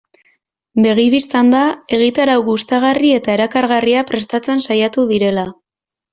Begi bistan da egitarau gustagarri eta erakargarria prestatzen saiatu direla.